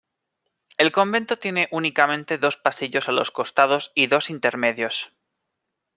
El convento tiene únicamente dos pasillos a los costados y dos intermedios.